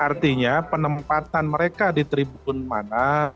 artinya penempatan mereka di tribun mana